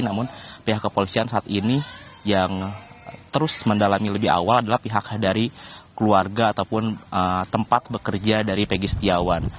namun pihak kepolisian saat ini yang terus mendalami lebih awal adalah pihak dari keluarga ataupun tempat bekerja dari pegi setiawan